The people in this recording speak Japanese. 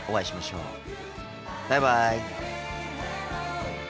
バイバイ。